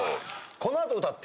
このあと歌って。